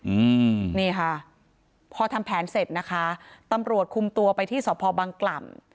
อืมนี่ค่ะพอทำแผนเสร็จนะคะตำรวจคุมตัวไปที่สพบังกล่ำ